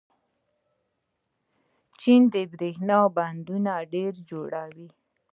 چین د برښنا بندونه ډېر جوړوي.